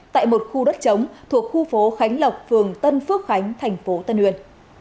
tại một khu đất chống thuộc khu phố khánh lộc phường tân phước khánh thành phố tân uyên